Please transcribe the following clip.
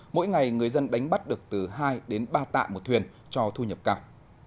mỗi ngày người dân đánh bắt được từ hai đến ba tạ một thuyền cho thu nhập cao